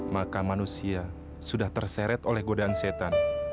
maka manusia sudah terseret oleh godaan setan